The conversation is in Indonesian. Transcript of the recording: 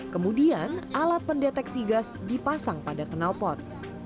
kemudian alat pendeteksi gas dipasang pada kenalpot